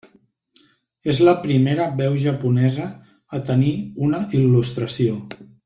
És la primera veu japonesa a tenir una il·lustració.